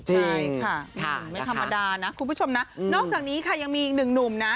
ใช่ค่ะไม่ธรรมดานะคุณผู้ชมนะนอกจากนี้ค่ะยังมีอีกหนึ่งหนุ่มนะ